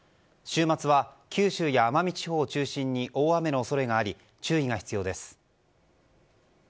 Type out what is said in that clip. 週末は九州や奄美地方を中心に大雨の恐れがあり注意が必要です。